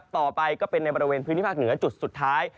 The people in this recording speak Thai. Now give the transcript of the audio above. ต่อไปก็เป็นแบบในภูเวณภูเซผาคถกสุดท้าย